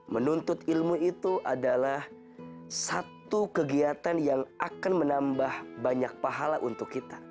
menuntut ilmu itu adalah satu kegiatan yang akan menambah banyak pahala untuk kita